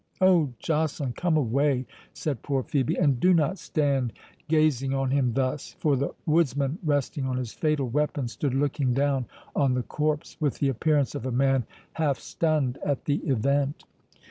"Oh, Joceline, come away," said poor Phœbe, "and do not stand gazing on him thus;" for the woodsman, resting on his fatal weapon, stood looking down on the corpse with the appearance of a man half stunned at the event.